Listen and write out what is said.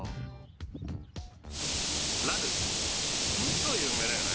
超有名だよね。